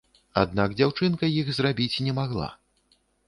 Аднак дзяўчынка іх зрабіць не магла.